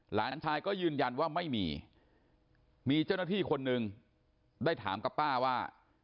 หลานชายก็ยืนยันว่าไม่มีมีเจ้าหน้าที่คนหนึ่งได้ถามกับป้าว่า